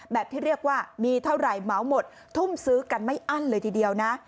ที่เรียกว่ามีเท่าไหร่เหมาหมดทุ่มซื้อกันไม่อั้นเลยทีเดียวนะ